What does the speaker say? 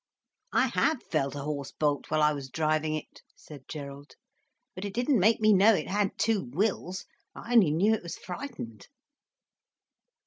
"I have felt a horse bolt while I was driving it," said Gerald, "but it didn't make me know it had two wills. I only knew it was frightened."